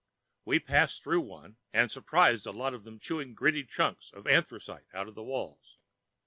We passed through one and surprised a lot of them chewing gritty hunks of anthracite out of the walls.